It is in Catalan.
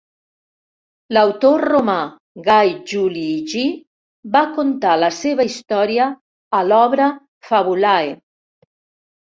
L'autor romà Gai Juli Higí va contar la seva història a l'obra "Fabulae".